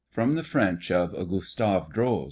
From the French of GUSTAVE DROZ.